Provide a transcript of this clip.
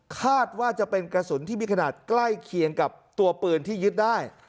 คาดว่าจะเป็นกระสุนที่มีขนาดใกล้เคียงกับตัวปืนที่ยึดได้